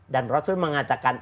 dan rasulullah mengatakan